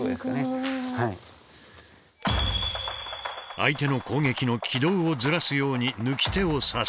相手の攻撃の軌道をずらすように貫手を差す。